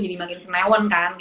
jadi makin senewan kan